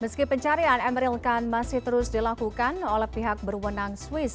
meski pencarian emeril khan masih terus dilakukan oleh pihak berwenang swiss